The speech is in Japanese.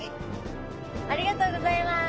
ありがとうございます。